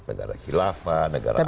negara khilafah negara agama